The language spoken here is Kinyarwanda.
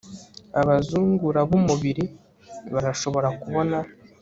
Abazungura bumubiri barashobora kubona